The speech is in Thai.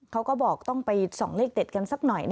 เขาก็บอกต้องไปส่องเลขเด็ดกันสักหน่อย